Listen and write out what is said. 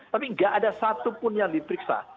tapi tidak ada satu pun yang dipiksa